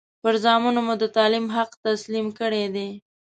پر زامنو مو د تعلیم حق تسلیم کړی دی.